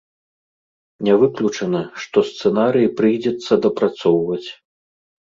Не выключана, што сцэнарый прыйдзецца дапрацоўваць.